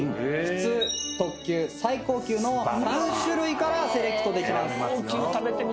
普通特級最高級の３種類からセレクトできます。